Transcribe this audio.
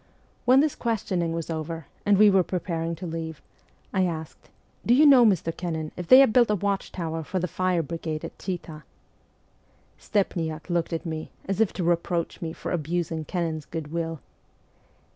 When this questioning was over, and we were pre paring to leave, I asked, ' Do J T OU know, Mr. Kennan, if they have built a watchtower for the fire brigade at Chita ?' Stepniak looked at me, as if to reproach me for abusing Kennan's good will.